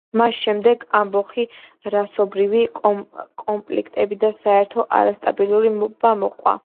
მას შედეგად ამბოხი, რასობრივი კონფლიქტები და საერთო არასტაბილურობა მოჰყვა.